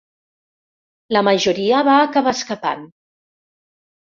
La majoria va acabar escapant.